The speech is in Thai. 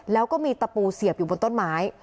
แล้วก็มีตะปูเสียบอยู่บนต้นไม้